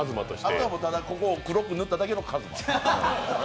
あとは、ただここを黒く塗っただけのＫＡＺＭＡ。